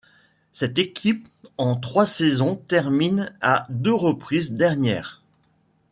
Cette équipe en trois saisons terminent à deux reprises dernière.